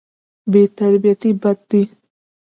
بې ترتیبي بد دی.